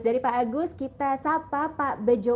dari pak agus kita sapa pak bejo